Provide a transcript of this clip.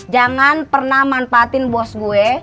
jangan pernah manfaatin bos gue